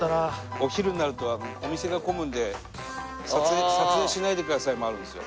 お昼になるとお店が混むんで撮影しないでくださいもあるんですよ。